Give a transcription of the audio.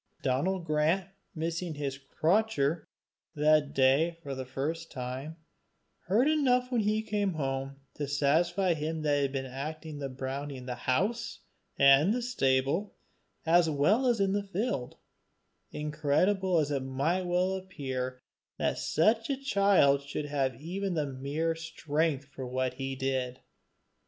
Donal Grant, missing his "cratur" that day for the first time, heard enough when he came home to satisfy him that he had been acting the brownie in the house and the stable as well as in the field, incredible as it might well appear that such a child should have had even mere strength for what he did.